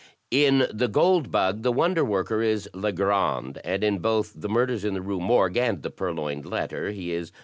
"In the * Gold Bug' the wonder worker is Legrand, and in both the * Murders in the Rue Morgue' and the * Pur loined Letter' he is M.